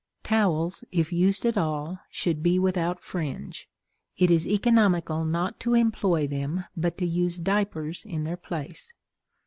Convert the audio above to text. Towels, if used at all, should be without fringe. It is economical not to employ them, but to use diapers in their place.